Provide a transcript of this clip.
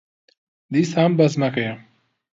دیسان بەزمەکەیە.